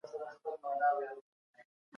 دا فیصله د ټولو په خوښه وسوه.